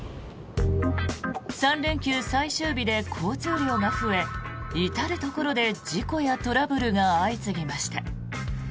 ３連休最終日で交通量が増え至るところで事故やトラブルが相次ぎました。